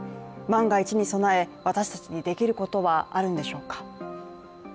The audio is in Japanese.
万が一に備え私たちにできることはあるんでしょうか。